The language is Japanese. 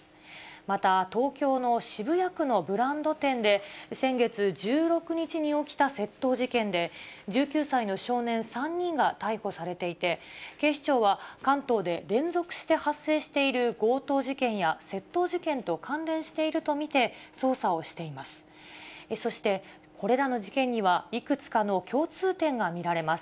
また、東京の渋谷区のブランド店で、先月１６日に起きた窃盗事件で、１９歳の少年３人が逮捕されていて、警視庁は関東で連続して発生している強盗事件や窃盗事件と関連していると見て、捜査をしています。